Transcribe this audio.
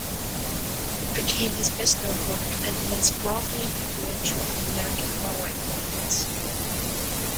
It became his best known book, and remains broadly influential in American far-right movements.